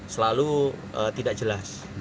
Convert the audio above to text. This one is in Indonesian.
selalu tidak jelas